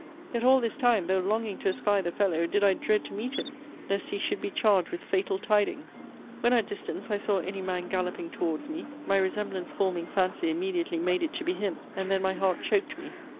Yet all this time, though longing to espy the fellow, did I dread to meet him, lest he should be charged with fatal tidings. When at distance I saw any man galloping towards me, my resemblance forming fancy immediately made it to be him; and then my heart choked me.